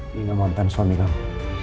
sienna mau tanam suami kamu